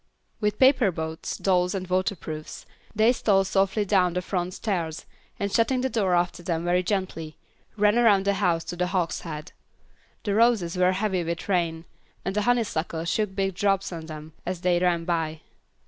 With paper boats, dolls and waterproofs they stole softly down the front stairs, and shutting the door after them very gently, ran around the house to the hogshead. The roses were heavy with rain, and the honeysuckle shook big drops on them, as they ran by.